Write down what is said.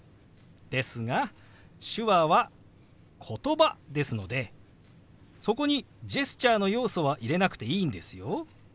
ですが手話はことばですのでそこにジェスチャーの要素は入れなくていいんですよ。